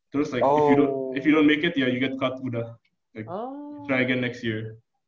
terus like if you don t make it ya you get cut udah like try again next year